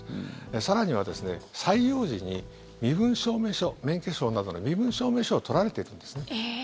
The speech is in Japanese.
更には、採用時に身分証明書免許証などの身分証明書を取られてるんですね。